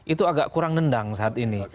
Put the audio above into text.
itu agak kurang nendang saat ini